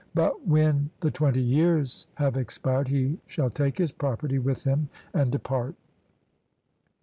But when the twenty years have expired, he shall take his property with him and depart.